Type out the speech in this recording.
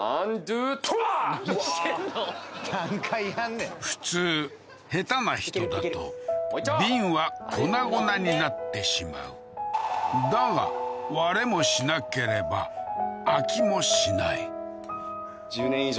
何回やんねん普通下手な人だと瓶は粉々になってしまうだが割れもしなければ開きもしないマジっすか？